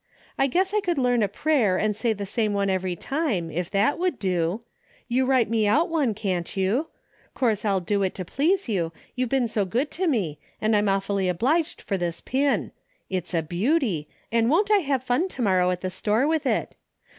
I guess I could learn a prayer and say the same one every time, if that would do. You write me out one, can't you ? 'Course I'll do it to please you, you've been so good to me, and 242 A DAILY EATE:^ I'm awfully obliged for this pin. It's a beauty, and won't I have fun to morrow at the store with it